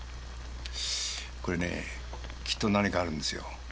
これねぇきっと何かあるんですよ